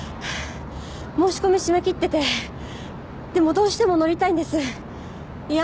申し込み締め切っててでもどうしても乗りたいんですいや